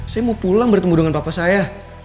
saya mau pulang bertemu dengan papa saya